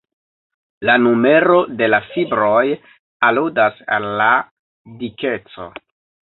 La numero de la fibroj aludas al la dikeco.